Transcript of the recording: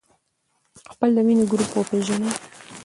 خپل د وینې ګروپ وپېژنئ.